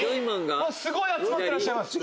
すごい集まってらっしゃいます。